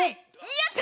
やった！